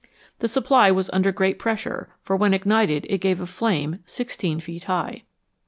The supply was under great pressure, for when ignited it gave a flame 16 feet high.